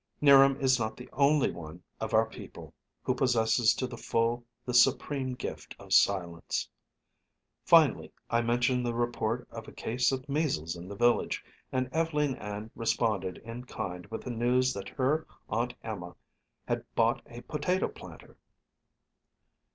'Niram is not the only one of our people who possesses to the full the supreme gift of silence. Finally I mentioned the report of a case of measles in the village, and Ev'leen Ann responded in kind with the news that her Aunt Emma had bought a potato planter.